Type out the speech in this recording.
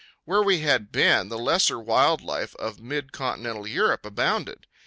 Where we had been the lesser wild life of midcontinental Europe abounded.